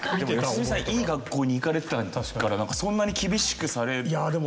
良純さんいい学校に行かれてたからそんなに厳しくされたり。